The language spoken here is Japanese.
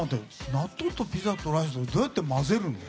納豆とピザとライスをどうやって混ぜるの？